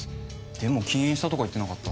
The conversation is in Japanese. でも禁煙したとか言ってなかった？